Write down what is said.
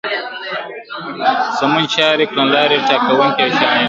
سمون چاري کړنلاري ټاکونکي او شاعران